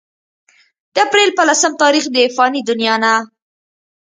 د اپريل پۀ لسم تاريخ د فاني دنيا نه